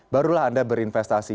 barulah anda berinvestasi